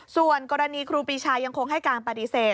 ส่วนกรณีครูปีชายังคงให้การปฏิเสธ